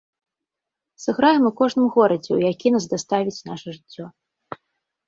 Сыграем у кожным горадзе, у які нас даставіць наша жыццё.